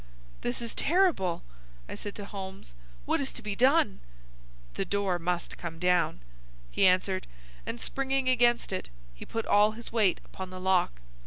"This is terrible!" I said to Holmes. "What is to be done?" "The door must come down," he answered, and, springing against it, he put all his weight upon the lock.